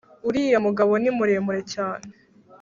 uriya mugabo ni muremure cyane